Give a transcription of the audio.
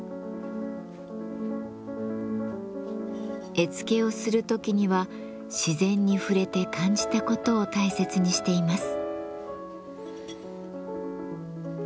絵付けをする時には自然に触れて感じたことを大切にしています。